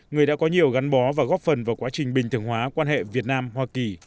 người đã có nhiều gắn bó và góp phần vào quá trình bình thường hóa quan hệ việt nam hoa kỳ